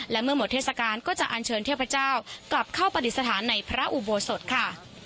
และเมื่อหมดเทศกาลก็จะอันเชิญเทพเจ้ากลับเข้าปฏิสถานในพระอุโบสถค่ะ